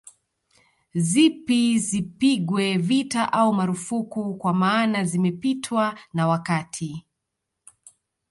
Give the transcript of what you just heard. Zipi zipigwe vita au marufuku kwa maana zimepitwa na wakati